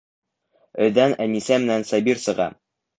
Өйҙән Әнисә менән Сабир сыға.